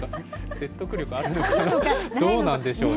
説得力あるな、どうなんでしょうね。